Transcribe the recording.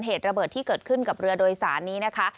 เหตุระเบิดที่เกิดขึ้นกับเรือโดยสารนี้นะคะ